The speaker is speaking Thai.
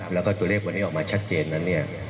แล้วก็ตัวเลขวันนี้ออกมาชัดเจนนั้นเนี่ย